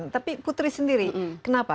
tapi putri sendiri kenapa